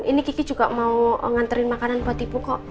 ini kiki juga mau nganterin makanan buat ibu kok